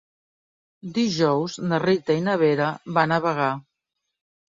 Dijous na Rita i na Vera van a Bagà.